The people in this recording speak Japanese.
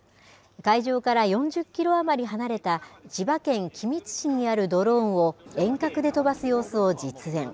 会場から４０キロ余り離れた、千葉県君津市にあるドローンを、遠隔で飛ばす様子を実演。